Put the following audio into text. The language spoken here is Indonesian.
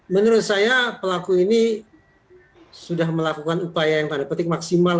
menurut saya pelaku ini sudah melakukan upaya yang tanda petik maksimal